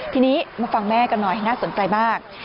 ทีนี้มาฟังแม่กันหน่อยน่าสนใจมาก